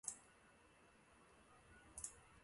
张孔山古琴演奏家。